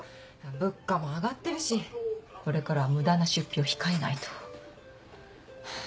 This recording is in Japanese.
物価も上がってるしこれからは無駄な出費を控えないと。